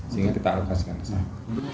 sehingga kita alokasikan sekarang